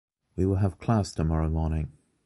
We will have class tomorrow morning